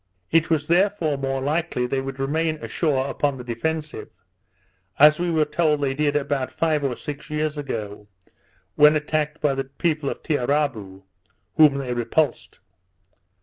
It was therefore more likely they would remain ashore upon the defensive; as we were told they did about five or six years ago, when attacked by the people of Tiarabou, whom they repulsed.